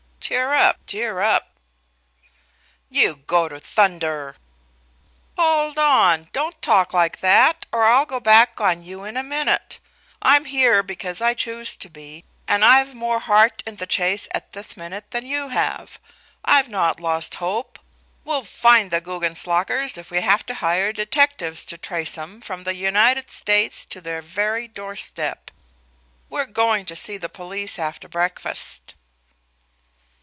Cheer up, cheer up!" "You go to thunder!" "Hold on! Don't talk like that, or I'll go back on you in a minute. I'm here because I choose to be, and I've more heart in the chase at this minute than you have. I've not lost hope, We'll find the Guggenslockers if we have to hire detectives to trace 'em from the United States to their very doorstep. We're going to see the police after breakfast."